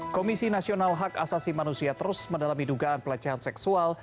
komisi nasional hak asasi manusia terus mendalami dugaan pelecehan seksual